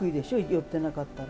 よってなかったら。